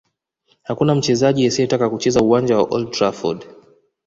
Hakuna mchezaji asiyetaka kucheza uwanja wa Old Trafford